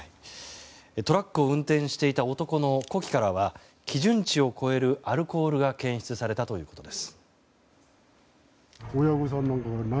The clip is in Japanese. トラックを運転していた男の呼気からは基準値を超えるアルコールが検出されたということです。